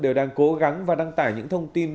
đều đang cố gắng và đăng tải những thông tin